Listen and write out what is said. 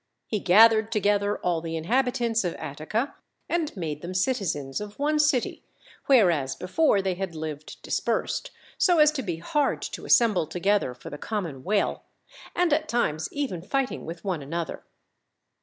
He gathered together all the inhabitants of Attica and made them citizens of one city, whereas before they had lived dispersed, so as to be hard to assemble together for the common weal, and at times even fighting with one another.